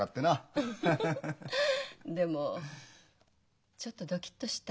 フフフでもちょっとドキッとした。